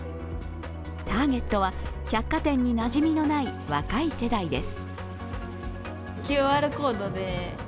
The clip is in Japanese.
ターゲットは百貨店になじみのない若い世代です。